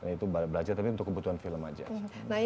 itu belajar tapi untuk kebutuhan film aja